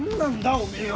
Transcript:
おめえは。